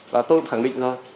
và tôi cũng khẳng định rồi